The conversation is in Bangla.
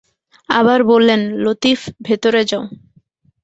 আবার বললেন, লতিফ, ভিতরে যাও।